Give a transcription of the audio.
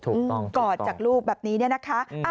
ถูกต้องขอบจากลูกแบบนี้แน่นะคะ